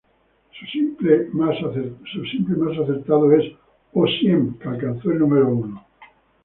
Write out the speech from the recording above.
Su simple más acertado es "O Siem", que alcanzó el No.